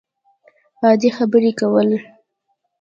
عادي خبرې کول